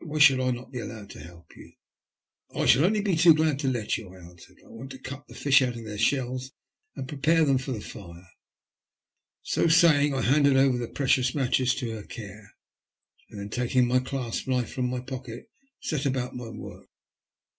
Why should I not be allowed to help you?" " I shall be only too glad to let you/' I answered. " I want to cut the fish out of their shells and prepare them for the fire." So saying, I handed over the precious matches to her care ; and then, taking my clasp knife from my pocket, set about my work.